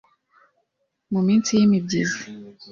mu minsi y’imibyigizi